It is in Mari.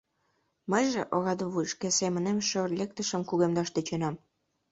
— Мыйже, ораде вуй, шке семынем шӧр лектышым кугемдаш тӧченам.